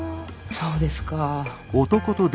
そうですか。